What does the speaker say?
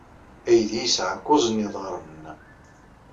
Aydi yesɛa kuẓ n yiḍarren.